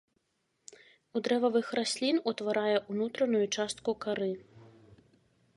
У дрэвавых раслін утварае ўнутраную частку кары.